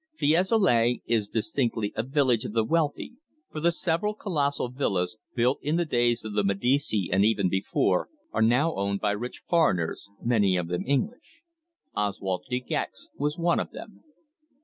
Fiesole is distinctly a village of the wealthy, for the several colossal villas, built in the days of the Medici and even before, are now owned by rich foreigners, many of them English. Oswald De Gex was one of them.